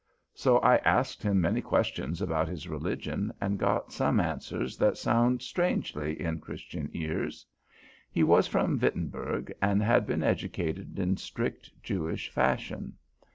So I asked him many questions about his religion, and got some answers that sound strangely in Christian ears. He was from Wittenberg, and had been educated in strict Jewish fashion.